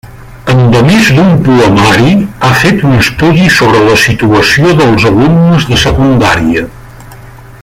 Endemés d'un poemari ha fet un estudi sobre la situació dels alumnes de secundària.